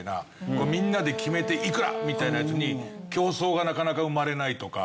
みんなで決めて「いくら」みたいなやつに競争がなかなか生まれないとか。